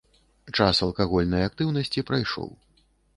Час алкагольнай актыўнасці прайшоў.